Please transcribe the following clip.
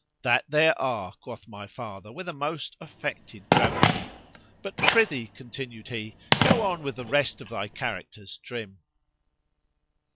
——That there are, quoth my father with a most affected gravity. But prithee, continued he, go on with the rest of thy characters, _Trim.